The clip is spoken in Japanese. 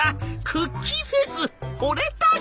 クッキーフェイスほれたぜ」。